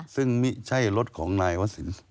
ซึ่งไม่ใช่รถของนายว่าสิน